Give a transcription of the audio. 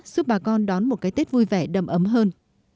giúp bà con đón một cái tết vui vẻ đầm ấm hơn